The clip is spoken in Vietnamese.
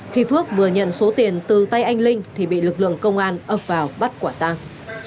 khi phước vừa nhận số tiền từ tay anh linh thì bị lực lượng công an ập vào bắt quả tang